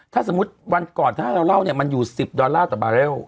ถ้าสมมุติวันก่อนถ้าเราเล่าเนี่ยมันอยู่สิบดอร่าต่อบราเลู่